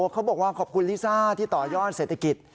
เขาบอกว่าขอบคุณลิซ่าที่ต่อยอดเศรษฐกิจ